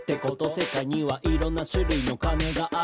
「世界にはいろんな種類のお金がある」